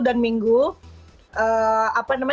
dan minggu apa